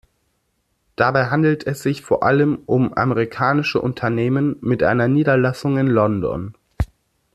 Dabei handelt es sich vor allem um amerikanische Unternehmen mit einer Niederlassung in London.